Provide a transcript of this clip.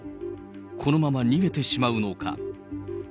このまま逃げてしまうのか。